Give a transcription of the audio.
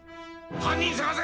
犯人捜せ！